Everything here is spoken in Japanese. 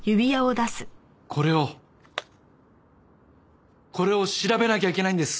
これをこれを調べなきゃいけないんです！